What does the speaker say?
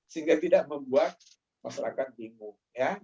sehingga tidak membuat masyarakat bingung